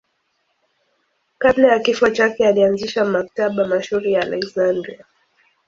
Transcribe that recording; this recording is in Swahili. Kabla ya kifo chake alianzisha Maktaba mashuhuri ya Aleksandria.